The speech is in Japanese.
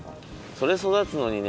それそだつのにね